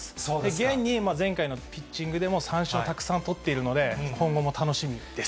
現に前回のピッチングでも、三振をたくさん取っているので、今後も楽しみです。